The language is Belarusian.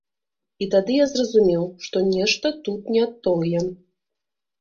І тады я зразумеў, што нешта тут не тое.